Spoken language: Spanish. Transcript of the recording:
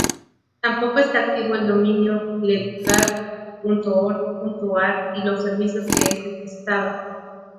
Tampoco esta activo el dominio gleducar.org.ar y los servicios que este prestaba.